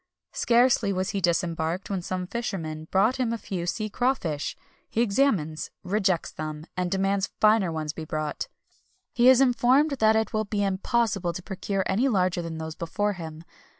Scarcely was he disembarked when some fishermen brought him a few sea crawfish; he examines, rejects them, and demands finer ones to be brought. He is informed that it will be impossible to procure any larger than those before him.